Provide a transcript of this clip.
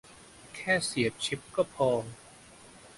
แค่เสียบชิปก็พอ